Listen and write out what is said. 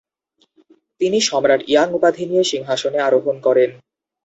তিনি সম্রাট ইয়াং উপাধি নিয়ে সিংহাসনে আরোহণ করেন।